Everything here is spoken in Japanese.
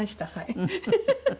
フフフフ！